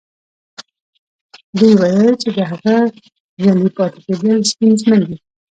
دوی ويل چې د هغه ژوندي پاتې کېدل ستونزمن دي.